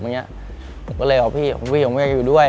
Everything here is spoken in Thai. ก็เลยเอาพี่ว่าผมไม่อยากอยู่ด้วย